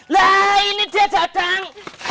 lhaaa ini dia dadang